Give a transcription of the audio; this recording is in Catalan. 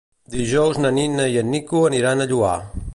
Dijous na Nina i en Nico aniran al Lloar.